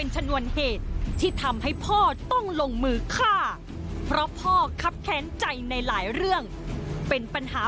จริงนะ